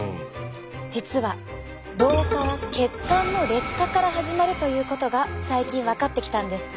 実は老化は血管の劣化から始まるということが最近分かってきたんです。